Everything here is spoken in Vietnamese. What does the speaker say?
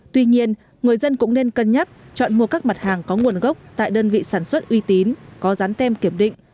tuy nhiên người dân cũng nên cân nhắc chọn mua các mặt hàng có nguồn gốc tại đơn vị sản xuất uy tín có dán tem kiểm định